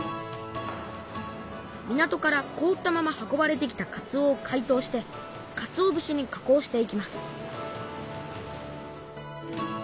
港からこおったまま運ばれてきたかつおをかいとうしてかつお節に加工していきます